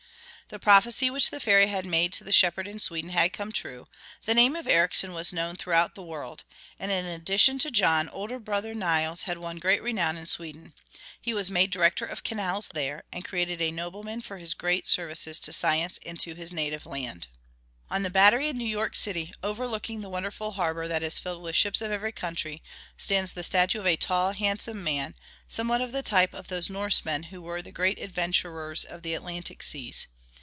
The prophecy which the fairy had made to the shepherd in Sweden had come true, the name of Ericsson was known throughout the world. And in addition to John, the older brother Nils had won great renown in Sweden. He was made Director of Canals there, and created a nobleman for his great services to science and to his native land. On the Battery in New York City, overlooking the wonderful harbor that is filled with ships of every country, stands the statue of a tall, handsome man, somewhat of the type of those Norsemen who were the great adventurers of the Atlantic seas.